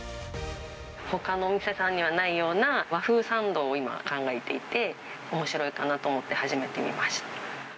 ほかのお店さんにはないような、和風サンドを今、考えていて、おもしろいかなと思って始めてみました。